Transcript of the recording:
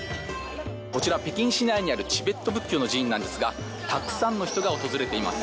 こちら、北京市内にあるチベット仏教の寺院なのですがたくさんの人が訪れています。